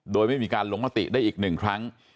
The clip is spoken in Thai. โดยไม่มีการลงมติได้อีกหนึ่งครั้ง